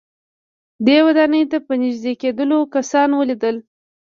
دې ودانۍ ته په نږدې کېدلو کسان وليدل.